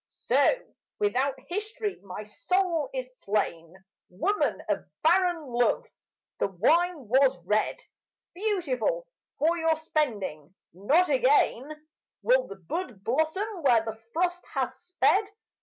So, without history, my soul is slain Woman of barren love; the wine was red Beautiful for your spending. Not again Will the bud blossom where the frost has sped.